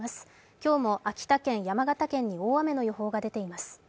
今日も秋田県、山形県に大雨の予報が出ています。